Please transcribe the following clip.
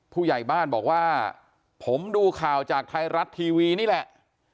ผู้ใหญ่บ้านบอกว่าผมดูข่าวจากไทยรัฐทีวีนี่แหละ